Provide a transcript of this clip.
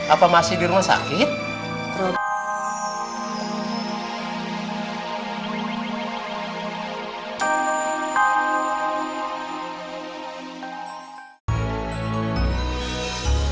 apa masih di rumah sakit